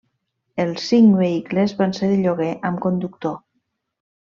Els cinc vehicles van ser de lloguer amb conductor.